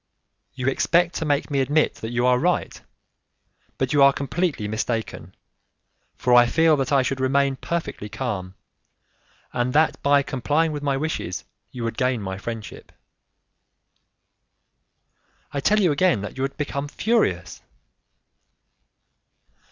"You expect to make me admit that you are right, but you are completely mistaken, for I feel that I should remain perfectly calm, and that by complying with my wishes you would gain my friendship." "I tell you again that you would become furious."